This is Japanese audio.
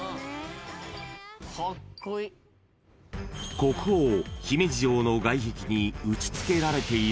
［国宝姫路城の外壁に打ち付けられている］